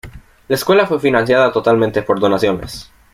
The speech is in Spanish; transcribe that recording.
La escuela fue financiado totalmente por donaciones.